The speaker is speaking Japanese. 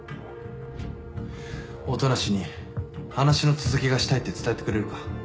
音無に話の続きがしたいって伝えてくれるか？